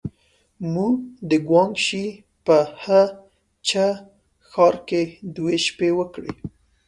موږ د ګوانګ شي په هه چه ښار کې دوې شپې وکړې.